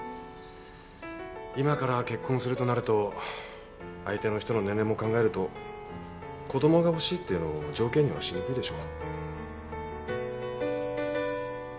今から結婚するとなると相手の人の年齢も考えると子供が欲しいっていうのを条件にはしにくいでしょ。